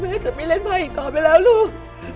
แม่จะไปไม่เล่นมาอีกต่อไปแล้วลูก